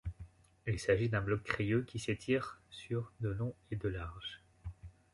Il s'agit d'un bloc crayeux qui s'étire sur de long et de large.